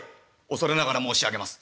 「恐れながら申し上げます。